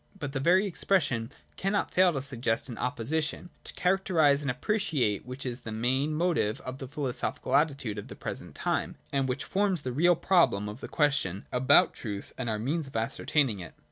But the very expression cannot fail to suggest an opposi tion, to characterise and appreciate which is the main motive of the philosophical attitude of the present time, and which forms the real problem of the question about truth and our means of ascertaining it.